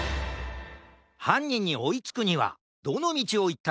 はんにんにおいつくにはどのみちをいったらいいかな？